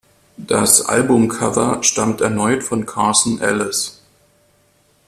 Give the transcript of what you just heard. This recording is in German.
Das Albumcover stammt erneut von Carson Ellis.